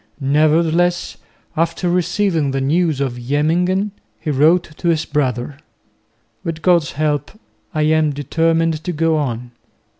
Nevertheless after receiving the news of Jemmingen he wrote to his brother, "With God's help I am determined to go on."